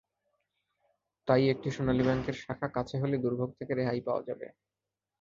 তাই একটি সোনালী ব্যাংকের শাখা কাছে হলে দুর্ভোগ থেকে রেহাই পাওয়া যাবে।